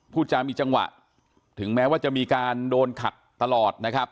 พูดจามีจังหวะถึงแม้ว่าจะมีการโดนขัดตลอดนะครับ